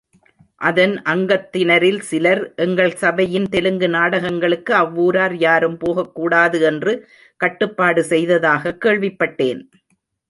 அதன் அங்கத்தினரில் சிலர், எங்கள் சபையின் தெலுங்கு நாடகங்களுக்கு அவ்வூரார் யாரும் போகக்கூடாது என்று கட்டுப்பாடு செய்ததாகக் கேள்விப்பட்டேன்.